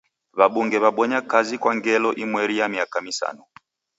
W'abunge w'abonya kazi kwa ngelo imweri ya miaka misanu.